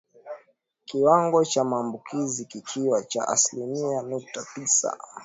Kiwango cha maambukizi kikiwa cha asilimia nukta tisa